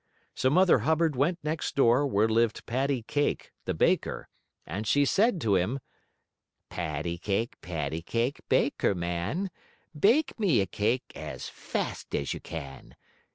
So Mother Hubbard went next door, where lived Paddy Kake, the baker. And she said to him: "Paddy Kake, Paddy Kake, baker man, Bake me a cake as fast as you can.